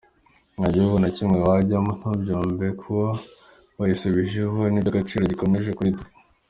Nta gihugu na kimwe wajyamo ntuyumve, kuba bayisubijeho ni iby’agaciro gakomeye kuri twe.